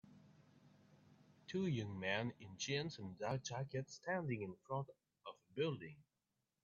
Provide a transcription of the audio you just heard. Two young men in jeans and dark jackets standing in front of a building.